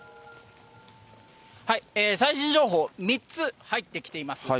最新情報、３つ入ってきています。